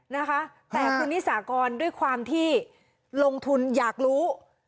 นะคะแต่คุณนิสากรด้วยความที่ลงทุนอยากรู้